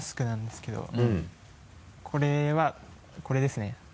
これはこれですね。